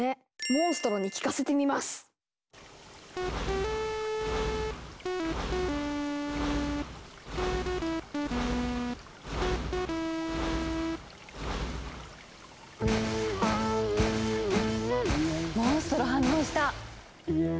モンストロ反応した！